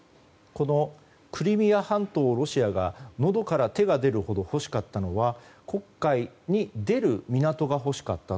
このクリミア半島をロシアが、のどから手が出るほど欲しかったのは黒海に出る港が欲しかった。